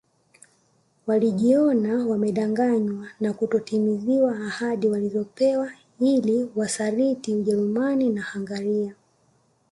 Walijiona wamedanganywa kwa kutotimiziwa ahadi walizopewa ili Wasaliti Ujerumani na Hungaria